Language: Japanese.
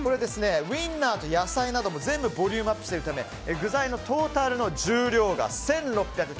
ウインナーと野菜なども全部ボリュームアップしているため具材のトータルの重量が１６９０ｇ。